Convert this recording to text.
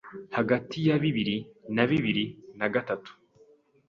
hagati ya bibiri na bibiri na gatatu